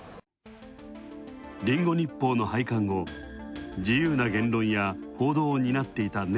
「リンゴ日報」の廃刊後、自由な言論や報道を担っていた